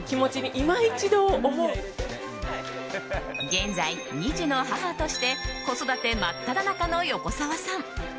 現在、２児の母として子育て真っただ中の横澤さん。